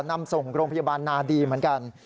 นำส่งโรงพยาบาลนาดีเหมือนกัน